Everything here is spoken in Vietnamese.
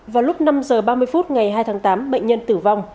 vào lúc năm h ba mươi phút ngày hai tháng tám bệnh nhân tử vong